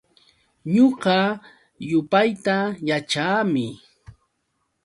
Ñuqa yupayta yaćhaami.